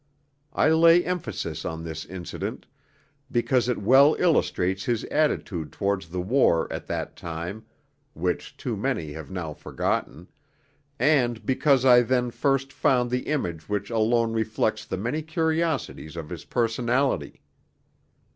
I lay emphasis on this incident, because it well illustrates his attitude towards the war at that time (which too many have now forgotten), and because I then first found the image which alone reflects the many curiosities of his personality.